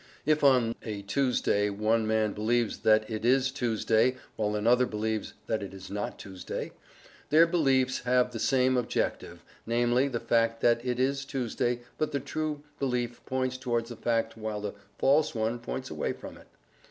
* If, on a Tuesday, one man believes that it is Tuesday while another believes that it is not Tuesday, their beliefs have the same objective, namely the fact that it is Tuesday but the true belief points towards the fact while the false one points away from it.